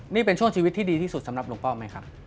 นี่เป็นช่วงชีวิตที่ดีที่สุดสำหรับลุงป้อมไหมครับ